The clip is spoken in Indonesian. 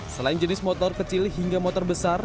selain jenis motor kecil hingga motor besar